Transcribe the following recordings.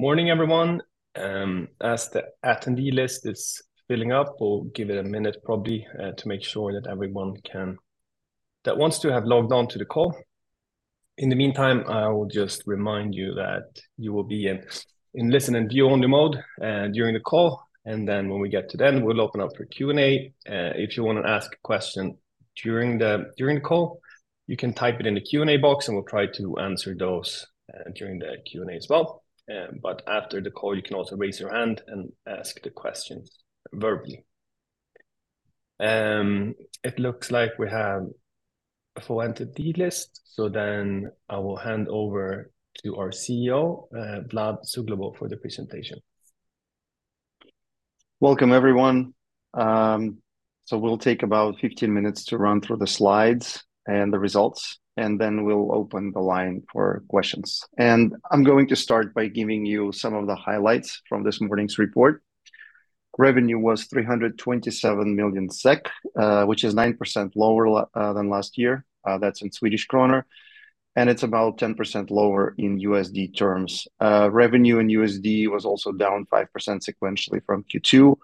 Morning, everyone. As the attendee list is filling up, we'll give it a minute probably, to make sure that everyone can- that wants to have logged on to the call. In the meantime, I will just remind you that you will be in, in listen and view only mode, during the call, and then when we get to the end, we'll open up for Q&A. If you wanna ask a question during the, during the call, you can type it in the Q&A box, and we'll try to answer those, during the Q&A as well. After the call, you can also raise your hand and ask the questions verbally. It looks like we have a full entity list, so then I will hand over to our CEO, Vlad Suglobov, for the presentation. Welcome, everyone. So we'll take about 15 minutes to run through the slides and the results, and then we'll open the line for questions. I'm going to start by giving you some of the highlights from this morning's report. Revenue was 327 million SEK, which is 9% lower than last year. That's in Swedish krona, and it's about 10% lower in USD terms. Revenue in USD was also down 5% sequentially from Q2.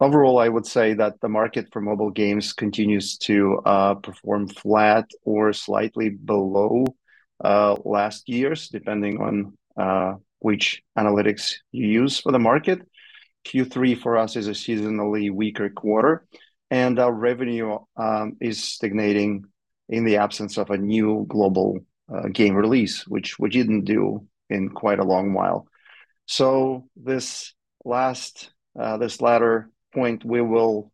Overall, I would say that the market for mobile games continues to perform flat or slightly below last year's, depending on which analytics you use for the market. Q3 for us is a seasonally weaker quarter, and our revenue is stagnating in the absence of a new global game release, which we didn't do in quite a long while. So this last, this latter point, we will,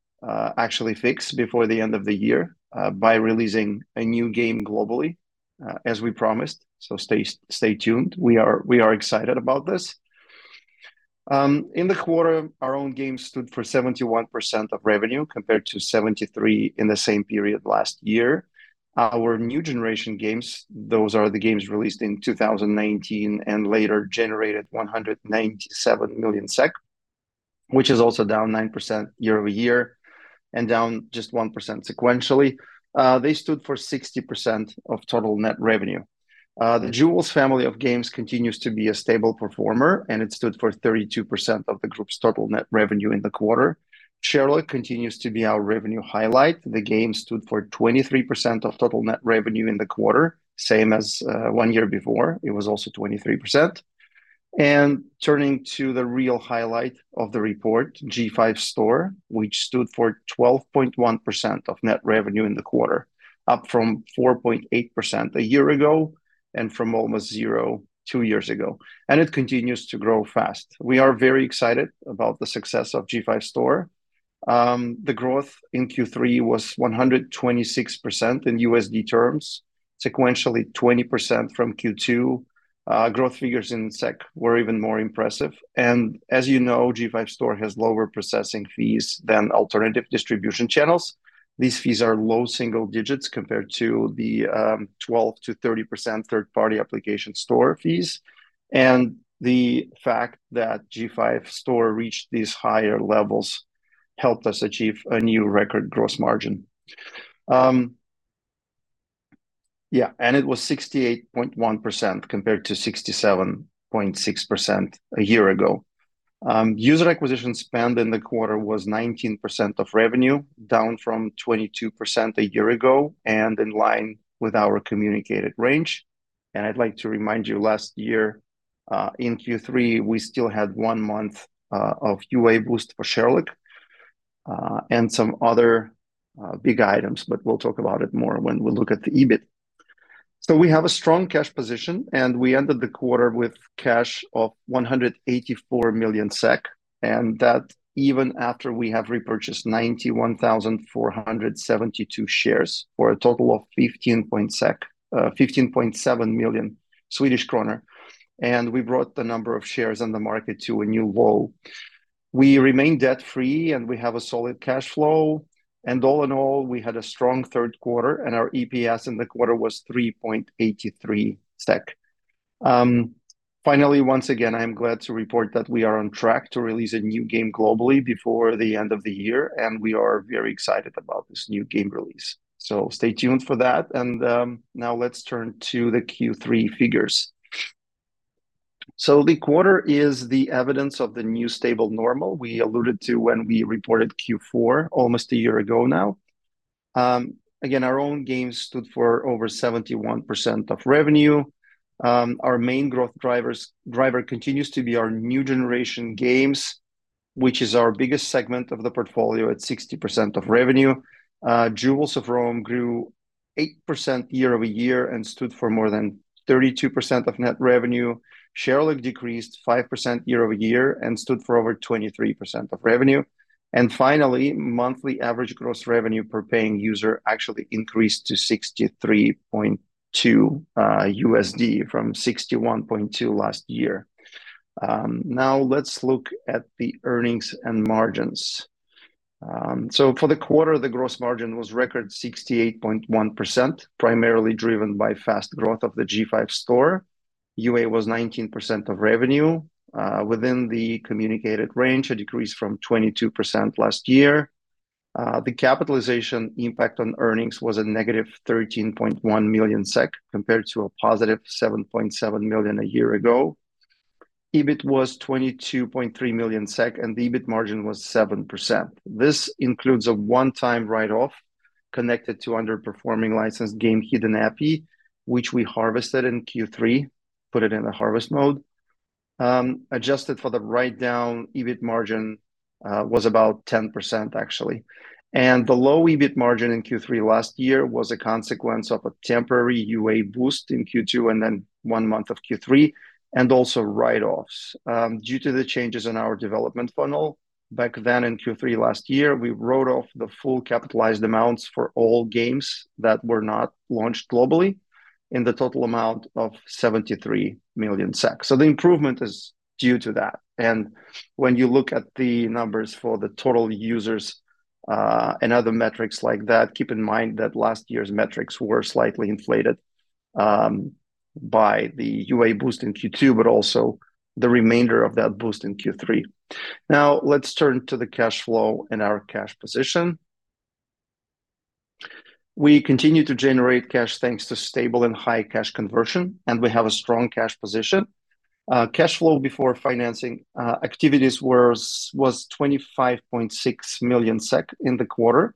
actually fix before the end of the year, by releasing a new game globally, as we promised, so stay, stay tuned. We are excited about this. In the quarter, our own games stood for 71% of revenue, compared to 73% in the same period last year. Our new generation games, those are the games released in 2019 and later, generated 197 million SEK, which is also down 9% year over year and down just 1% sequentially. They stood for 60% of total net revenue. The Jewels family of games continues to be a stable performer, and it stood for 32% of the group's total net revenue in the quarter. Sherlock continues to be our revenue highlight. The game stood for 23% of total net revenue in the quarter, same as one year before. It was also 23%. Turning to the real highlight of the report, G5 Store, which stood for 12.1% of net revenue in the quarter, up from 4.8% a year ago and from almost zero two years ago, and it continues to grow fast. We are very excited about the success of G5 Store. The growth in Q3 was 126% in USD terms, sequentially 20% from Q2. Growth figures in SEK were even more impressive, and as you know, G5 Store has lower processing fees than alternative distribution channels. These fees are low single digits compared to the 12%-30% third-party application store fees, and the fact that G5 Store reached these higher levels helped us achieve a new record gross margin. Yeah, and it was 68.1%, compared to 67.6% a year ago. User acquisition spend in the quarter was 19% of revenue, down from 22% a year ago and in line with our communicated range. And I'd like to remind you, last year, in Q3, we still had one month of UA boost for Sherlock, and some other big items, but we'll talk about it more when we look at the EBIT. We have a strong cash position, and we ended the quarter with cash of 184 million SEK, and that even after we have repurchased 91,472 shares, for a total of 15.7 million Swedish kronor, and we brought the number of shares on the market to a new low. We remain debt-free, and we have a solid cash flow, and all in all, we had a strong third quarter, and our EPS in the quarter was 3.83 SEK. Finally, once again, I am glad to report that we are on track to release a new game globally before the end of the year, and we are very excited about this new game release. Stay tuned for that, and now let's turn to the Q3 figures. So the quarter is the evidence of the new stable normal we alluded to when we reported Q4 almost a year ago now. Again, our own games stood for over 71% of revenue. Our main growth driver continues to be our new generation games, which is our biggest segment of the portfolio at 60% of revenue. Jewels of Rome grew 8% year-over-year and stood for more than 32% of net revenue. Sherlock decreased 5% year-over-year and stood for over 23% of revenue. And finally, monthly average gross revenue per paying user actually increased to $63.2 from $61.2 last year. Now let's look at the earnings and margins. So for the quarter, the gross margin was record 68.1%, primarily driven by fast growth of the G5 Store. UA was 19% of revenue, within the communicated range, a decrease from 22% last year. The capitalization impact on earnings was a -13.1 million SEK, compared to a +7.7 million a year ago. EBIT was 22.3 million SEK, and the EBIT margin was 7%. This includes a one-time write-off connected to underperforming licensed game, Hidden City, which we harvested in Q3, put it in a harvest mode. Adjusted for the write-down, EBIT margin was about 10%, actually, and the low EBIT margin in Q3 last year was a consequence of a temporary UA boost in Q2 and then one month of Q3, and also write-offs. Due to the changes in our development funnel, back then in Q3 last year, we wrote off the full capitalized amounts for all games that were not launched globally in the total amount of 73 million. So the improvement is due to that, and when you look at the numbers for the total users, and other metrics like that, keep in mind that last year's metrics were slightly inflated, by the UA boost in Q2, but also the remainder of that boost in Q3. Now, let's turn to the cash flow and our cash position. We continue to generate cash thanks to stable and high cash conversion, and we have a strong cash position. Cash flow before financing activities was 25.6 million SEK in the quarter,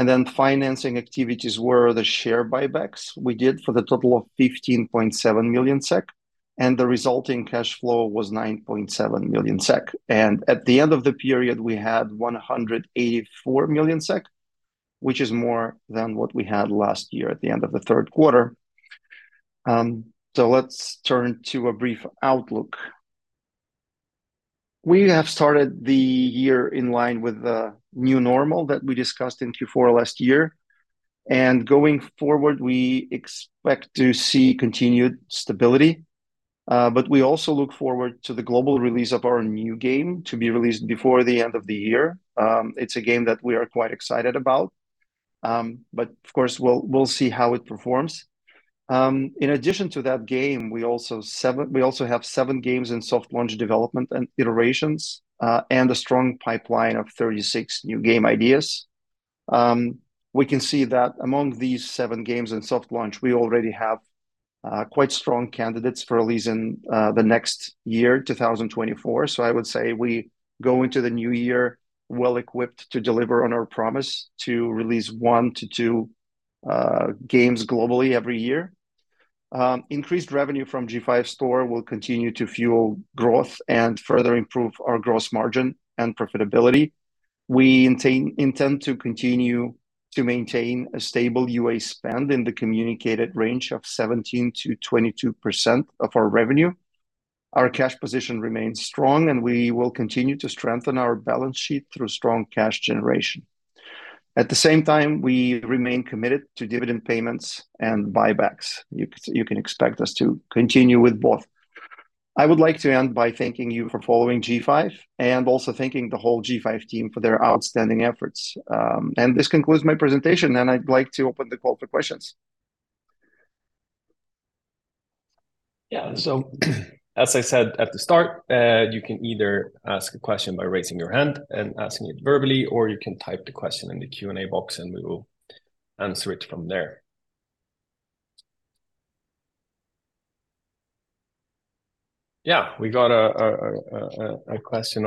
and then financing activities were the share buybacks we did for the total of 15.7 million SEK, and the resulting cash flow was 9.7 million SEK, and at the end of the period, we had 184 million SEK, which is more than what we had last year at the end of the third quarter. Let's turn to a brief outlook. We have started the year in line with the new normal that we discussed in Q4 last year, and going forward, we expect to see continued stability. But we also look forward to the global release of our new game to be released before the end of the year. It's a game that we are quite excited about, but of course, we'll see how it performs. In addition to that game, we also have seven games in soft launch development and iterations, and a strong pipeline of 36 new game ideas. We can see that among these seven games in soft launch, we already have quite strong candidates for release in the next year, 2024. So I would say we go into the new year well-equipped to deliver on our promise to release one to two games globally every year. Increased revenue from G5 Store will continue to fuel growth and further improve our gross margin and profitability. We intend to continue to maintain a stable UA spend in the communicated range of 17%-22% of our revenue. Our cash position remains strong, and we will continue to strengthen our balance sheet through strong cash generation. At the same time, we remain committed to dividend payments and buybacks. You can expect us to continue with both. I would like to end by thanking you for following G5, and also thanking the whole G5 team for their outstanding efforts. And this concludes my presentation, and I'd like to open the call to questions. Yeah. So as I said at the start, you can either ask a question by raising your hand and asking it verbally, or you can type the question in the Q&A box, and we will answer it from there. Yeah, we got a question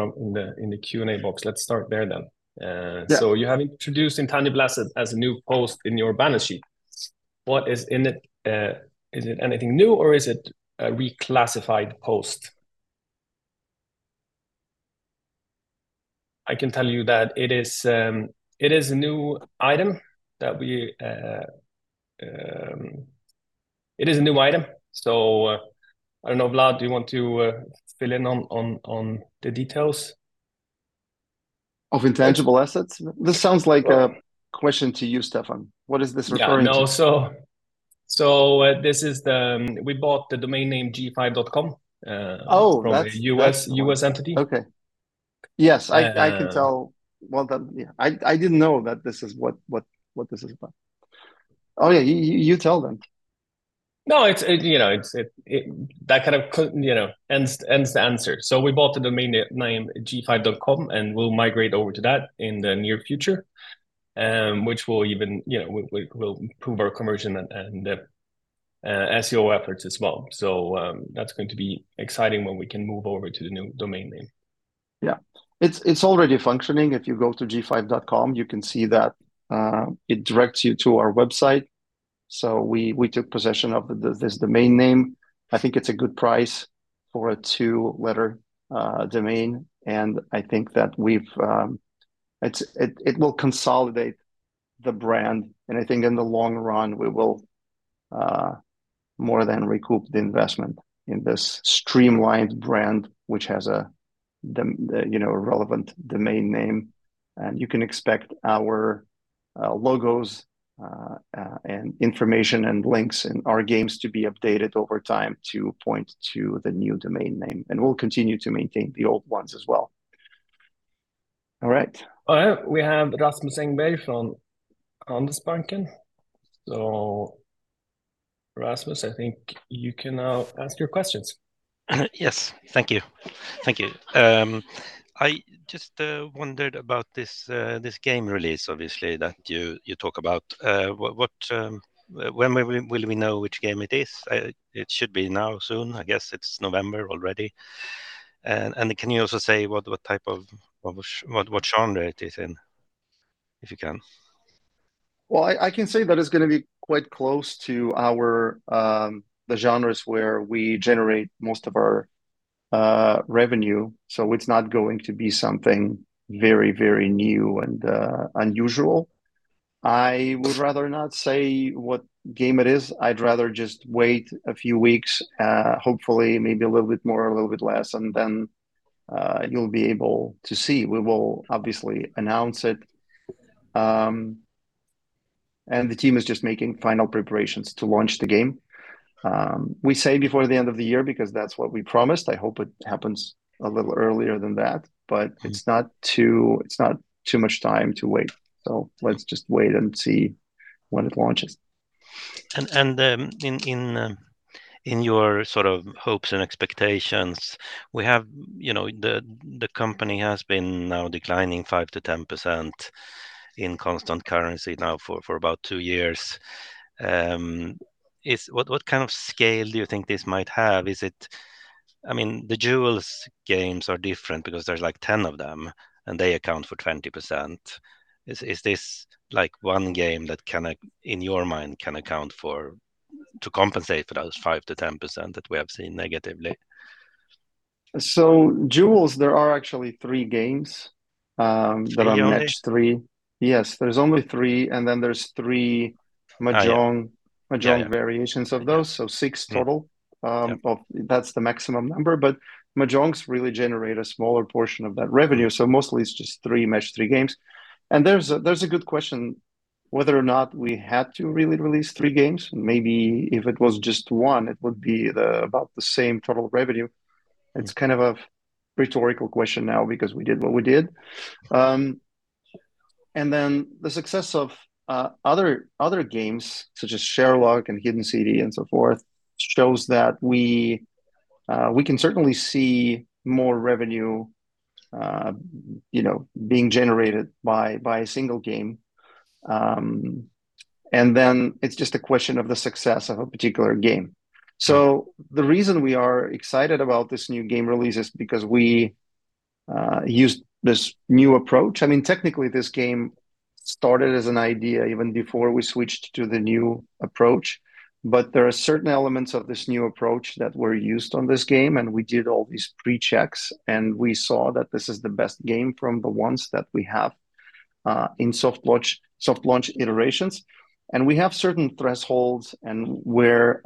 in the Q&A box. Let's start there then. Yeah... so you have introduced intangible assets as a new post in your balance sheet. What is in it? Is it anything new, or is it a reclassified post? I can tell you that it is a new item that we... It is a new item, so I don't know, Vlad. Do you want to fill in on the details? Of intangible assets? This sounds like a question to you, Stefan. What is this referring to? Yeah, no, so this is, we bought the domain name G5.com. Oh, that's- From a U.S. entity. Okay. Yes- Uh... I can tell, well, that, yeah, I didn't know that this is what this is about. Oh, yeah, you tell them. No, it's you know, it's that kind of—you know, ends the answer. So we bought the domain name g5.com, and we'll migrate over to that in the near future, which will even, you know, will improve our conversion and SEO efforts as well. So, that's going to be exciting when we can move over to the new domain name. Yeah. It's already functioning. If you go to g5.com, you can see that it directs you to our website. So we took possession of this domain name. I think it's a good price for a two-letter domain, and I think that we've... It will consolidate the brand, and I think in the long run, we will more than recoup the investment in this streamlined brand, which has a d- you know, a relevant domain name. And you can expect our logos and information and links and our games to be updated over time to point to the new domain name, and we'll continue to maintain the old ones as well. All right. All right, we have Rasmus Engberg from Handelsbanken.... Rasmus, I think you can now ask your questions. Yes, thank you. Thank you. I just wondered about this game release, obviously, that you talk about. When will we know which game it is? It should be now soon, I guess it's November already. And can you also say what type of genre it is in, if you can? Well, I can say that it's gonna be quite close to our the genres where we generate most of our revenue, so it's not going to be something very, very new and unusual. I would rather not say what game it is. I'd rather just wait a few weeks, hopefully maybe a little bit more or a little bit less, and then you'll be able to see. We will obviously announce it. And the team is just making final preparations to launch the game. We say before the end of the year, because that's what we promised. I hope it happens a little earlier than that, but it's not too, it's not too much time to wait. So let's just wait and see when it launches. In your sort of hopes and expectations, we have, you know, the company has been now declining 5%-10% in constant currency now for about two years. What kind of scale do you think this might have? I mean, the Jewels games are different because there's, like, 10 of them, and they account for 20%. Is this, like, one game that can in your mind, can account for to compensate for those 5%-10% that we have seen negatively? Jewels, there are actually three games, Three Jewels?... that are Match-3. Yes, there's only three, and then there's three Mahjong- Ah, yeah... Mahjong variations of those, so six total. Yeah. That's the maximum number, but Mahjong really generates a smaller portion of that revenue, so mostly it's just three match-three games. And there's a good question whether or not we had to really release three games. Maybe if it was just one, it would be about the same total revenue. It's kind of a rhetorical question now because we did what we did. And then the success of other games, such as Sherlock and Hidden City and so forth, shows that we can certainly see more revenue, you know, being generated by a single game. And then it's just a question of the success of a particular game. So the reason we are excited about this new game release is because we used this new approach. I mean, technically, this game started as an idea even before we switched to the new approach, but there are certain elements of this new approach that were used on this game, and we did all these pre-checks, and we saw that this is the best game from the ones that we have in soft launch, soft launch iterations. And we have certain thresholds and where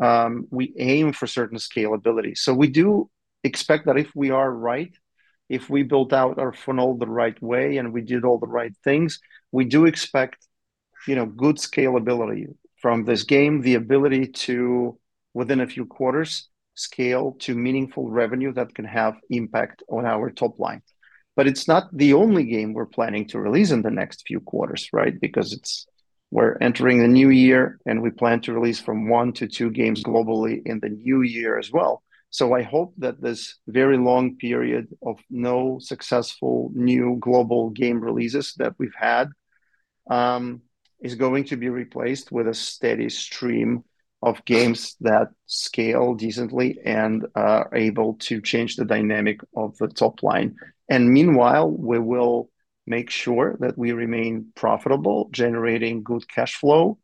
we aim for certain scalability. So we do expect that if we are right, if we built out our funnel the right way and we did all the right things, we do expect, you know, good scalability from this game, the ability to, within a few quarters, scale to meaningful revenue that can have impact on our top line. But it's not the only game we're planning to release in the next few quarters, right? Because we're entering the new year, and we plan to release from one to two games globally in the new year as well. So I hope that this very long period of no successful new global game releases that we've had is going to be replaced with a steady stream of games that scale decently and are able to change the dynamic of the top line. And meanwhile, we will make sure that we remain profitable, generating good cash flow,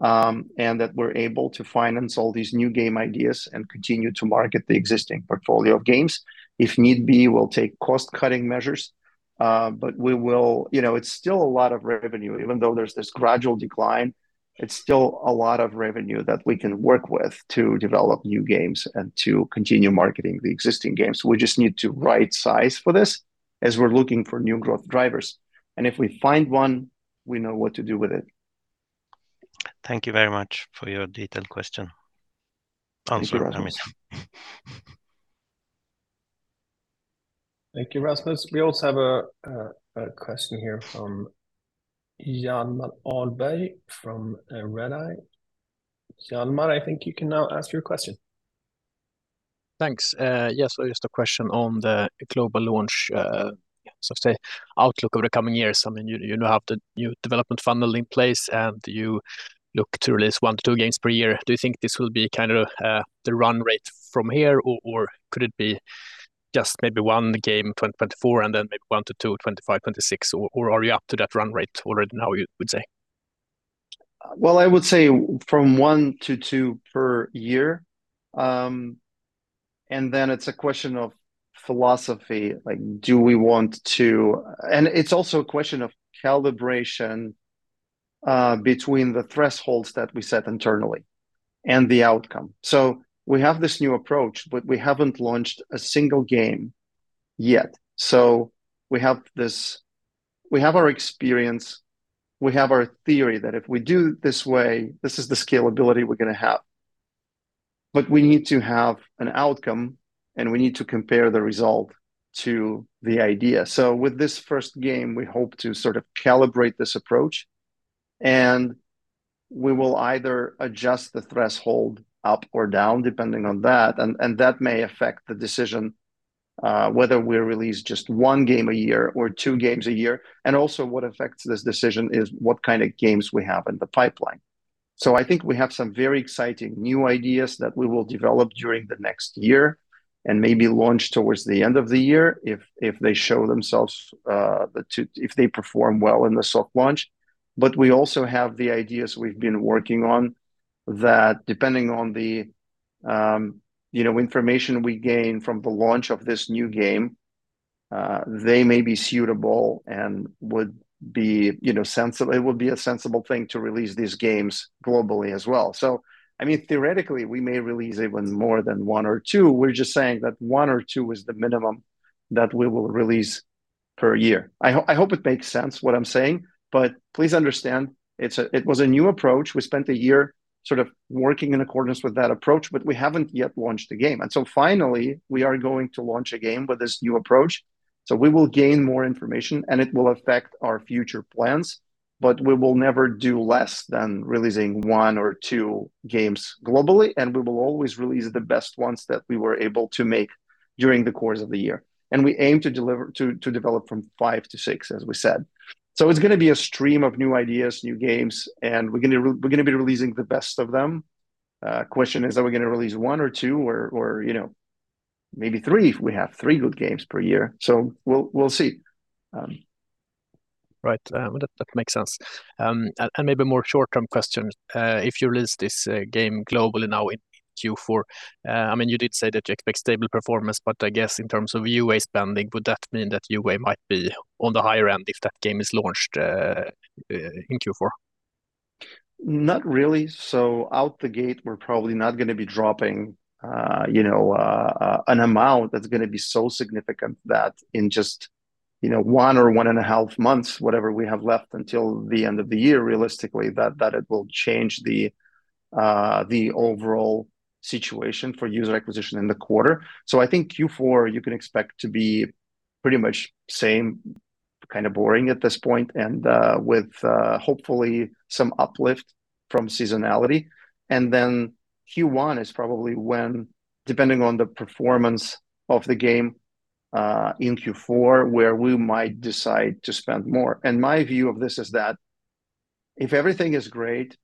and that we're able to finance all these new game ideas and continue to market the existing portfolio of games. If need be, we'll take cost-cutting measures, but you know, it's still a lot of revenue. Even though there's this gradual decline, it's still a lot of revenue that we can work with to develop new games and to continue marketing the existing games. We just need to rightsize for this as we're looking for new growth drivers, and if we find one, we know what to do with it. Thank you very much for your detailed question. I mean. Thank you, Rasmus. We also have a question here from Hjalmar Ahlberg from Redeye. Hjalmar, I think you can now ask your question. Thanks. Yes, so just a question on the global launch, so say, outlook over the coming years. I mean, you now have the new development funnel in place, and you look to release one to two games per year. Do you think this will be kind of the run rate from here, or could it be just maybe one game in 2024, and then maybe one to two in 2025, 2026, or are you up to that run rate already now, you would say? Well, I would say from one to two per year. And then it's a question of philosophy, like, do we want to... And it's also a question of calibration, between the thresholds that we set internally and the outcome. So we have this new approach, but we haven't launched a single game yet. So we have this, we have our experience, we have our theory that if we do it this way, this is the scalability we're gonna have. But we need to have an outcome, and we need to compare the result to the idea. So with this first game, we hope to sort of calibrate this approach, and we will either adjust the threshold up or down, depending on that. And that may affect the decision, whether we release just one game a year or two games a year. And also what affects this decision is what kind of games we have in the pipeline. So I think we have some very exciting new ideas that we will develop during the next year, and maybe launch towards the end of the year if they show themselves, if they perform well in the soft launch. But we also have the ideas we've been working on, that depending on the, you know, information we gain from the launch of this new game, they may be suitable and would be, you know, sensible. It would be a sensible thing to release these games globally as well. So, I mean, theoretically, we may release even more than one or two. We're just saying that one or two is the minimum that we will release per year. I hope it makes sense what I'm saying, but please understand, it was a new approach. We spent a year sort of working in accordance with that approach, but we haven't yet launched the game. And so finally, we are going to launch a game with this new approach, so we will gain more information, and it will affect our future plans, but we will never do less than releasing one or two games globally, and we will always release the best ones that we were able to make during the course of the year. And we aim to develop from five to six, as we said. So it's gonna be a stream of new ideas, new games, and we're gonna be releasing the best of them. Question is, are we gonna release one or two, you know, maybe three, if we have three good games per year? So we'll see. Right. That makes sense. And maybe a more short-term question: if you release this game globally now in Q4, I mean, you did say that you expect stable performance, but I guess in terms of UA spending, would that mean that UA might be on the higher end if that game is launched in Q4? Not really. So out the gate, we're probably not gonna be dropping, you know, an amount that's gonna be so significant that in just, you know, one or one and a half months, whatever we have left until the end of the year, realistically, that it will change the overall situation for user acquisition in the quarter. So I think Q4, you can expect to be pretty much same, kind of boring at this point, and with hopefully some uplift from seasonality. And then Q1 is probably when, depending on the performance of the game in Q4, where we might decide to spend more. And my view of this is that if everything is great,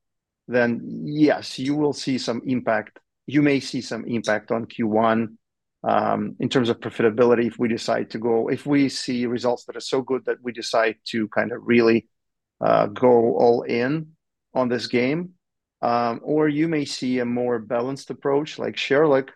then yes, you will see some impact. You may see some impact on Q1, in terms of profitability, if we decide to go... If we see results that are so good that we decide to kind of really go all in on this game. Or you may see a more balanced approach, like Sherlock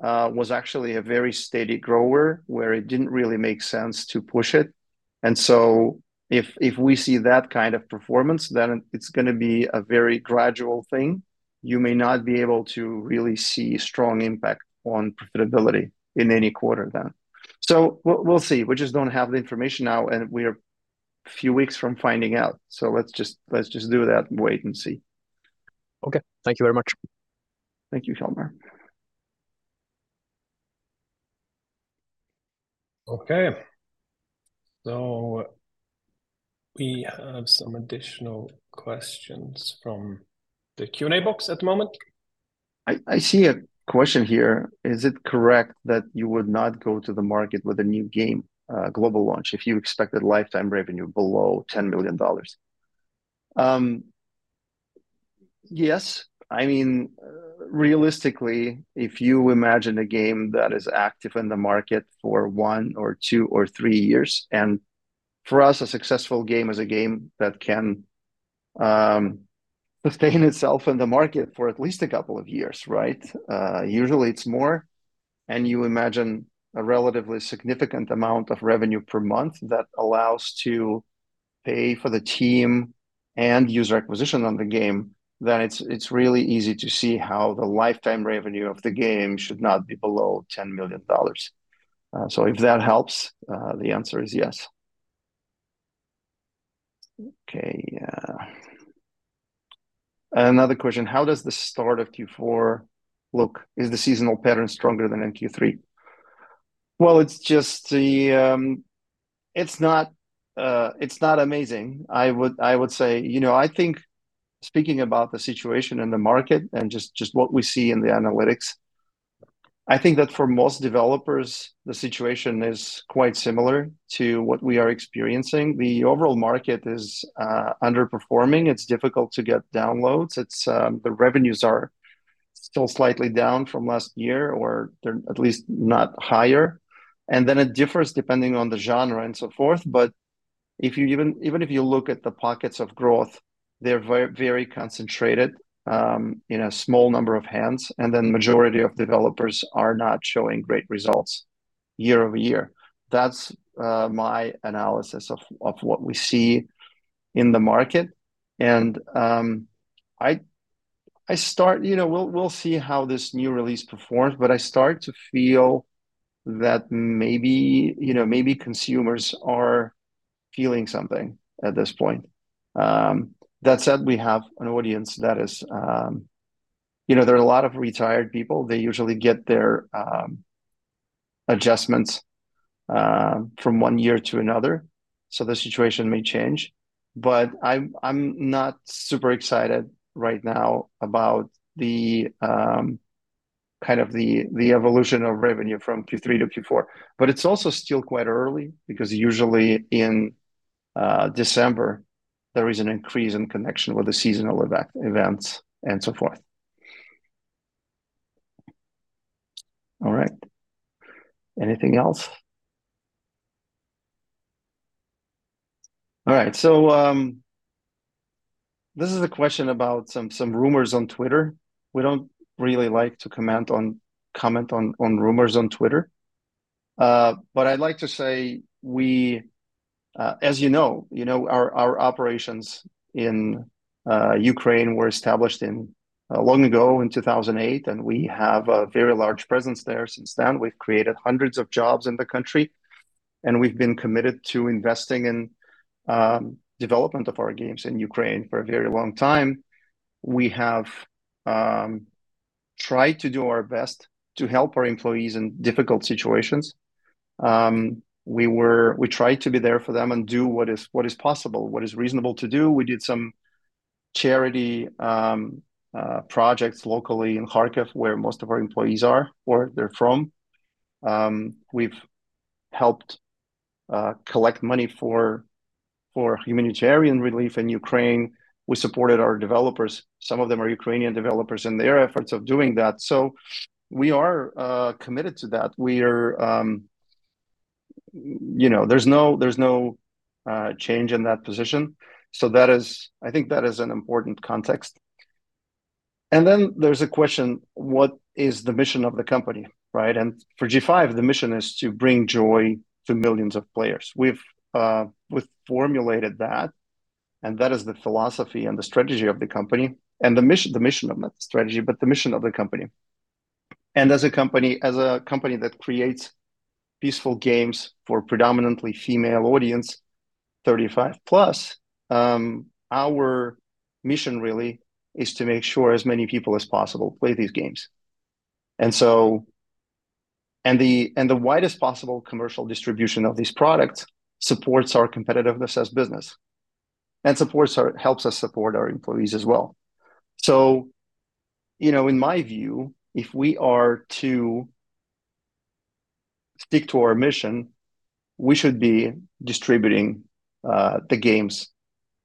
was actually a very steady grower, where it didn't really make sense to push it. And so if we see that kind of performance, then it's gonna be a very gradual thing. You may not be able to really see strong impact on profitability in any quarter then. So we'll see. We just don't have the information now, and we are a few weeks from finding out, so let's just do that and wait and see. Okay. Thank you very much. Thank you, Hjalmar. Okay, so we have some additional questions from the Q&A box at the moment. I, I see a question here: Is it correct that you would not go to the market with a new game, global launch, if you expected lifetime revenue below $10 million? Yes. I mean, realistically, if you imagine a game that is active in the market for one or two or three years, and for us, a successful game is a game that can sustain itself in the market for at least a couple of years, right? Usually it's more, and you imagine a relatively significant amount of revenue per month that allows to pay for the team and user acquisition on the game, then it's really easy to see how the lifetime revenue of the game should not be below $10 million. So if that helps, the answer is yes. Okay, another question: How does the start of Q4 look? Is the seasonal pattern stronger than in Q3? Well, it's just the... It's not, it's not amazing. I would say, you know, I think speaking about the situation in the market and just what we see in the analytics, I think that for most developers, the situation is quite similar to what we are experiencing. The overall market is underperforming. It's difficult to get downloads. It's the revenues are still slightly down from last year, or they're at least not higher, and then it differs depending on the genre and so forth. But if you even if you look at the pockets of growth, they're very, very concentrated in a small number of hands, and then majority of developers are not showing great results year-over-year. That's my analysis of what we see in the market. You know, we'll see how this new release performs, but I start to feel that maybe, you know, maybe consumers are feeling something at this point. That said, we have an audience that is, you know, there are a lot of retired people. They usually get their adjustments from one year to another, so the situation may change. But I'm not super excited right now about the kind of the evolution of revenue from Q3 to Q4. But it's also still quite early, because usually in December, there is an increase in connection with the seasonal events, and so forth. All right, anything else? All right, so this is a question about some rumors on Twitter. We don't really like to comment on rumors on Twitter. But I'd like to say we, as you know, you know, our, our operations in Ukraine were established in long ago in 2008, and we have a very large presence there since then. We've created hundreds of jobs in the country, and we've been committed to investing in development of our games in Ukraine for a very long time. We have tried to do our best to help our employees in difficult situations. We tried to be there for them and do what is, what is possible, what is reasonable to do. We did some charity projects locally in Kharkiv, where most of our employees are, where they're from. We've helped collect money for, for humanitarian relief in Ukraine. We supported our developers. Some of them are Ukrainian developers in their efforts of doing that. So we are committed to that. We are. You know, there's no change in that position, so that is. I think that is an important context. Then there's a question, what is the mission of the company, right? And for G5, the mission is to bring joy to millions of players. We've formulated that, and that is the philosophy and the strategy of the company, and the mission, the mission, not the strategy, but the mission of the company. And as a company that creates peaceful games for predominantly female audience, 35+, our mission really is to make sure as many people as possible play these games. And so, and the widest possible commercial distribution of these products supports our competitiveness as business, and supports our... helps us support our employees as well. So, you know, in my view, if we are to stick to our mission, we should be distributing the games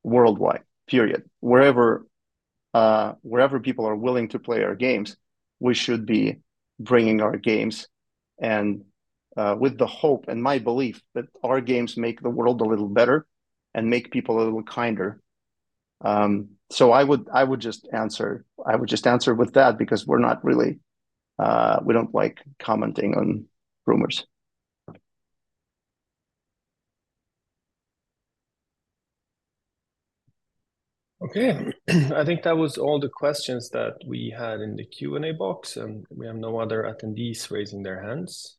worldwide, period. Wherever people are willing to play our games, we should be bringing our games and with the hope and my belief that our games make the world a little better and make people a little kinder. So I would just answer with that, because we're not really, we don't like commenting on rumors. Okay. I think that was all the questions that we had in the Q&A box, and we have no other attendees raising their hands.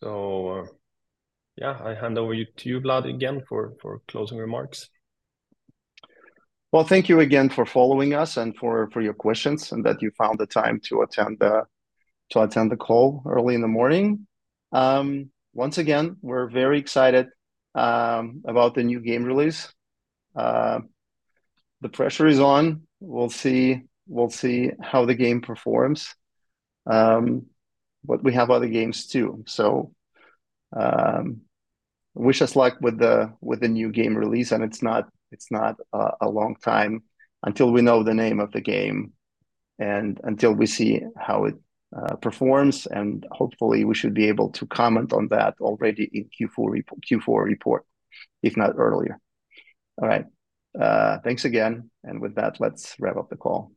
So, yeah, I hand over to you, Vlad, again, for closing remarks. Well, thank you again for following us and for your questions, and that you found the time to attend the call early in the morning. Once again, we're very excited about the new game release. The pressure is on. We'll see how the game performs, but we have other games, too. So, wish us luck with the new game release, and it's not a long time until we know the name of the game and until we see how it performs, and hopefully, we should be able to comment on that already in Q4 report, if not earlier. All right, thanks again, and with that, let's wrap up the call.